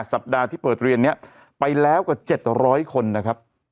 สัปดาห์ที่เปิดเรียนนี้ไปแล้วกว่า๗๐๐คนนะครับ